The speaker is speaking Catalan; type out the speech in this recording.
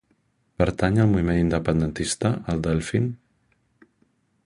Pertany al moviment independentista el Delfin?